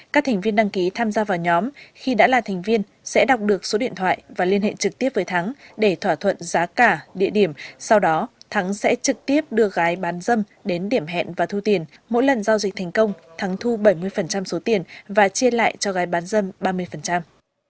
các thành viên đăng ký tham gia vào nhóm khi đã là thành viên sẽ đọc được số điện thoại và liên hệ trực tiếp với thắng để thỏa thuận giá cả địa điểm sau đó thắng sẽ trực tiếp đưa gái bán dâm đến điểm hẹn và thu tiền mỗi lần giao dịch thành công thắng thu bảy mươi số tiền và chia lại cho gái bán dâm ba mươi